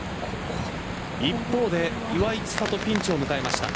一方で岩井千怜ピンチを迎えました。